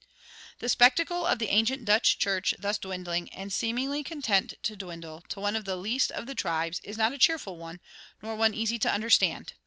The spectacle of the ancient Dutch church thus dwindling, and seemingly content to dwindle, to one of the least of the tribes, is not a cheerful one, nor one easy to understand.